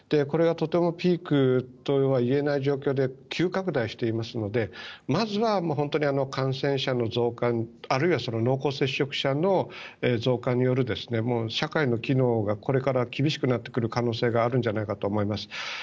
これはとてもピークとは言えない状況で急拡大していますのでまずは感染者の増加あるいは濃厚接触者の増加による社会の機能がこれから厳しくなってくる可能性があるんじゃないかと思います。